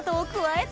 え！